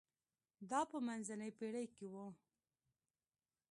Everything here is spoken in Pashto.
دا په منځنۍ پېړۍ کې و.